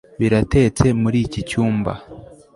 Biratetse muri iki cyumba